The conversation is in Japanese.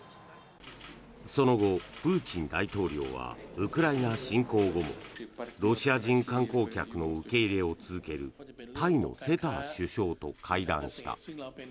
その後、プーチン大統領はウクライナ侵攻後もロシア人観光客の受け入れを続けるタイのセター首相と会談した。